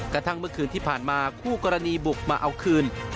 กระทั่งเมื่อคืนที่ผ่านมาคู่กรณีบุกมาเอาคืน